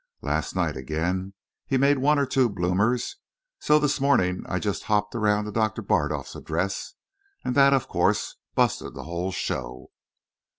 Last night again he made one or two bloomers, so this morning I just hopped round to Doctor Bardolf's address, and that, of course, busted the whole show."